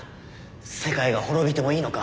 世界が滅びてもいいのか？